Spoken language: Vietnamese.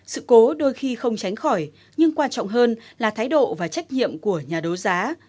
sự cố đôi khi không tránh khỏi nhưng quan trọng hơn là thái độ và trách nhiệm của nhà đấu giá